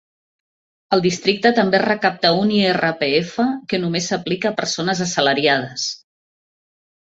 El districte també recapta un IRPF que només s'aplica a persones assalariades.